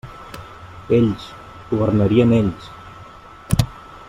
Ells, governarien ells.